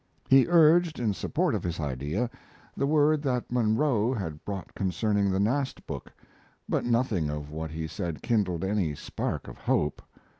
He urged, in support of his idea, the word that Munro had brought concerning the Nast book, but nothing of what he said kindled any spark of hope.